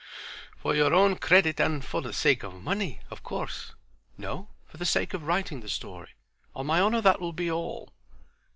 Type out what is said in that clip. "For your own credit and for the sake of money, of course?" "No. For the sake of writing the story. On my honor that will be all."